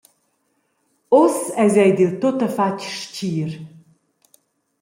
Uss eis ei dil tuttafatg stgir.